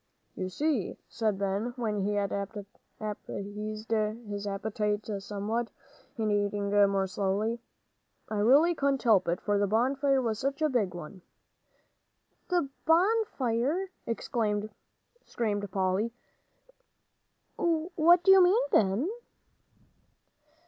"You see," said Ben, when he had appeased his appetite somewhat, and eating more slowly, "I really couldn't help it, for the bonfire was such a big one." "The bonfire?" screamed Polly. "What do you mean, Ben?"